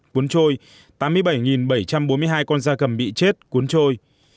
cuốn trôi tám mươi bảy bảy trăm bốn mươi hai con da cầm bị chết cuốn trôi